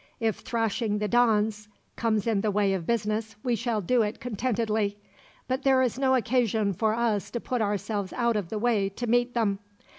If thrashing the Dons comes in the way of business, we shall do it contentedly; but there is no occasion for us to put ourselves out of the way to meet them.